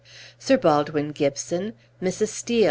"Sir Baldwin Gibson Mrs. Steel."